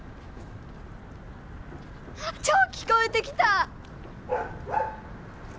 あっ超聞こえてきた！